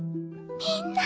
みんな。